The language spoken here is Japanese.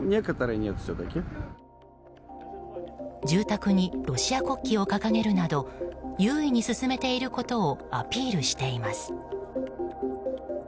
住宅にロシア国旗を掲げるなど優位に進めていることをアピールしています。